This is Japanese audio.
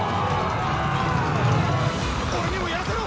「俺にもやらせろ」